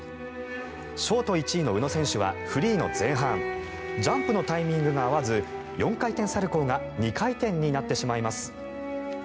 ショート１位の宇野選手はフリーの前半ジャンプのタイミングが合わず４回転サルコウが２回転になってしまいます。